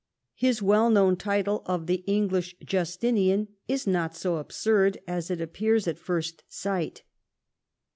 His well known title of the " English Justinian " is not so absurd as it appears at first sight.